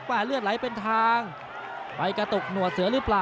เลือดไหลเป็นทางไปกระตุกหนวดเสือหรือเปล่า